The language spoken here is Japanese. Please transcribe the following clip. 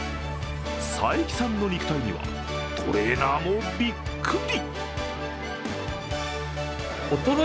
佐伯さんの肉体にはトレーナーもびっくり。